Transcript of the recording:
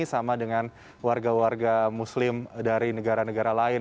sama dengan warga warga muslim dari negara negara lain